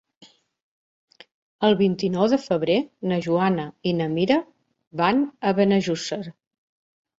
El vint-i-nou de febrer na Joana i na Mira van a Benejússer.